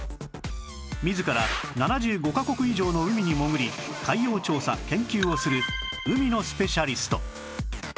自ら７５カ国以上の海に潜り海洋調査・研究をする海のスペシャリスト